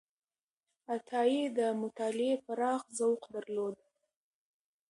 عطایي د مطالعې پراخ ذوق درلود.